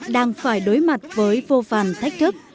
đang phải đối mặt với vô vàn thách thức